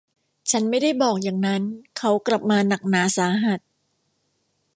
ฉันไม่ได้บอกอย่างนั้นเขากลับมาหนักหนาสาหัส